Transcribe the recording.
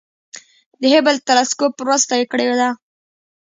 د هبل تلسکوپ مرسته یې کړې ده.